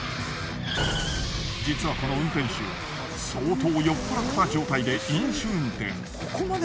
実はこの運転手相当酔っぱらった状態で飲酒運転。